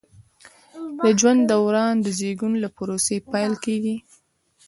د ژوند دوران د زیږون له پروسې پیل کیږي.